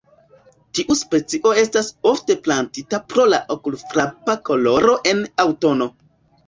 Tiu specio estas ofte plantita pro la okulfrapa koloro en aŭtuno.